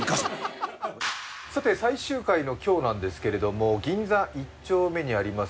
さて最終回の今日なんですけれども銀座１丁目にあります